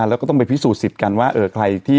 แล้วก็ต้องไปพิสูจนสิทธิ์กันว่าใครที่